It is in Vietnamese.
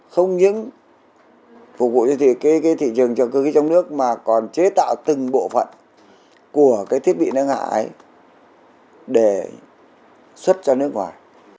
không những phục vụ cho thị trường cho cơ khí trong nước mà còn chế tạo từng bộ phận của thiết bị nâng hạ ấy để xuất cho nước ngoài